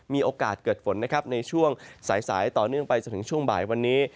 มีโอกาสเกิดฝนนะครับในช่วงสายต่อเนื่องไปจนถึงช่วงบ่ายวันนี้